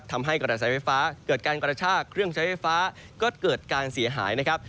ทำให้กระแสไฟฟ้าเกิดการกระชากเครื่องใช้ไฟฟ้าก็เกิดการเสียหายนะครับ